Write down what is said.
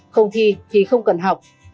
không thi thì không cần học